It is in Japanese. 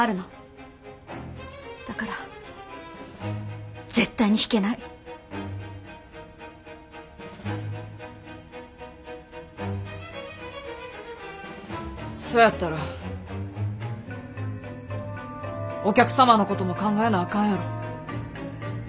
だから絶対に引けない。そやったらお客様のことも考えなあかんやろ。